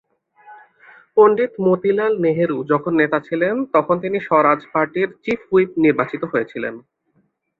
পণ্ডিত মতিলাল নেহেরু যখন নেতা ছিলেন তখন তিনি স্বরাজ পার্টির চিফ হুইপ নির্বাচিত হয়েছিলেন।